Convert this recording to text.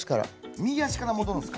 右足から戻るんですか？